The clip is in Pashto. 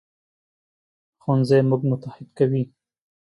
ښوونځی موږ متحد کوي